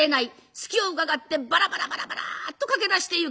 隙をうかがってバラバラバラバラっと駆け出してゆきました。